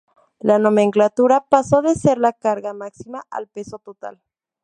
La nomenclatura pasó de ser la carga máxima al peso total.